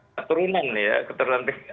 keturunan ya keterulan